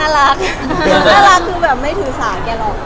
น่ารักคือแบบไม่ถือสารแกหรอก